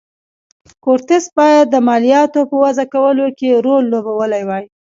کورتس باید د مالیاتو په وضعه کولو کې رول لوبولی وای.